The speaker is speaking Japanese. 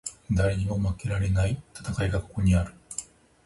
誰にも負けられない戦いがここにある